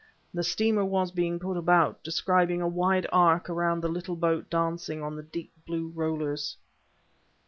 The steamer was being put about, describing a wide arc around the little boat dancing on the deep blue rollers....